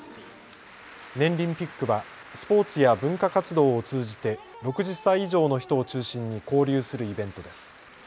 ねんりんピックはスポーツや文化活動を通じて６０歳以上の人を中心に交流するイベントです。